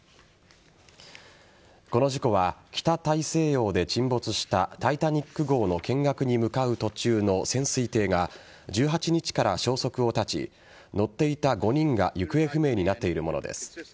この事故は、北大西洋で沈没した「タイタニック」号の見学に向かう途中の潜水艇が１８日から消息を絶ち乗っていた５人が行方不明になっているものです。